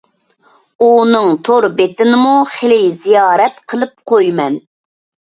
ئۇنىڭ تور بېتىنىمۇ خىلى زىيارەت قىلىپ قويىمەن.